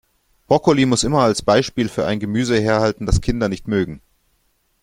Brokkoli muss immer als Beispiel für ein Gemüse herhalten, das Kinder nicht mögen.